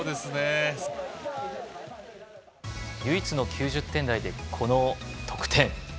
唯一の９０点台でこの得点。